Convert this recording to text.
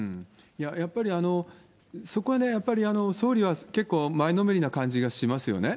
やっぱりそこはね、やっぱり総理は結構、前のめりな感じがしますよね。